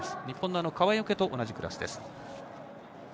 日本の川除と同じクラスです。